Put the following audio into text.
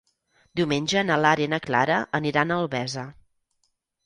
Diumenge na Lara i na Clara aniran a Albesa.